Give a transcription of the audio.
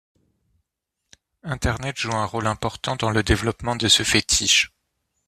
Internet joue un rôle important dans le développement de ce fétiche.